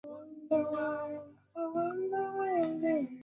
demokrasia pengine ni mambo ambayo ni ya